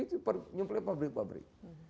itu nyemple pabrik pabrik